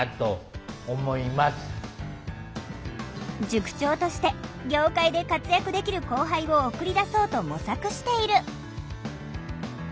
塾長として業界で活躍できる後輩を送り出そうと模索している。